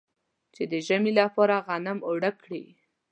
چې د ژمي لپاره غنم اوړه کړي.